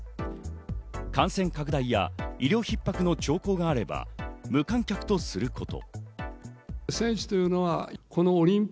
感染拡大や医療逼迫の兆候があれば無観客とすること。